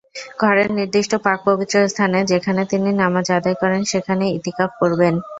ঘরের নির্দিষ্ট পাক-পবিত্র স্থানে, যেখানে তিনি নামাজ আদায় করেন, সেখানেই ইতিকাফ করবেন।